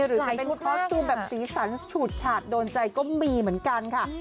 หรือจะเป็นคอสตูมแบบสีสันฉูดฉาดโดนใจก็มีเหมือนกันค่ะ